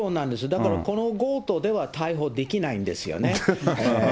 だからこの強盗では逮捕できないんですよね。